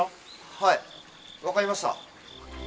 はい分かりました。